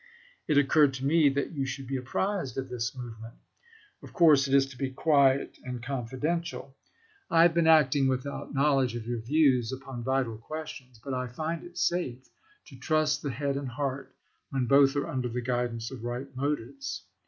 It occurred to me that you should be apprised of this movement. Of course it is to be quiet and confidential. I have THE PRESIDENT ELECT 253 been acting without knowledge of your views, chap.xvi. upon vital questions. But I find it safe to trust the head and heart when both are under the guid ance of right motives.